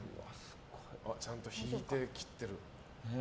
ちゃんと引いて切ってる。